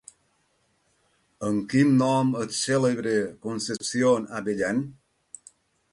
Amb quin nom és cèlebre Concepción Abellán?